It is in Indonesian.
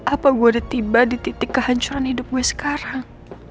apa gue udah tiba di titik kehancuran hidup gue sekarang